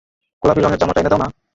গোলাপি রঙের জামাটা এনে দাও না?